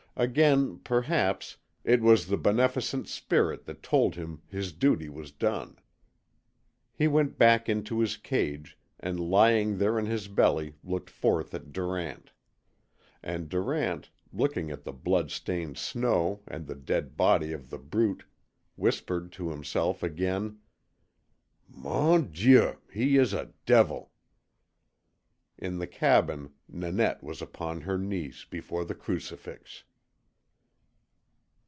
Again, perhaps, it was the Beneficent Spirit that told him his duty was done. He went back into his cage, and lying there on his belly looked forth at Durant. And Durant, looking at the blood stained snow and the dead body of The Brute, whispered to himself again: "MON DIEU! he is a devil!" In the cabin, Nanette was upon her knees before the crucifix.